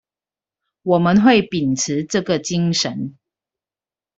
我們會秉持這個精神